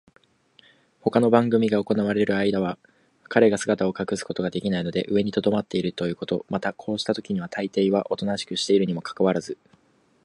ほかの番組が行われるあいだは、彼が姿を隠すことができないので上にとどまっているということ、またこうしたときにはたいていはおとなしくしているにもかかわらず、